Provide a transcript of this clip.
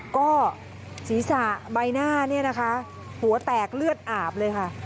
ก็ศีรษะใบหน้าเนี่ยนะคะหัวแตกเลือดอาบเลยค่ะ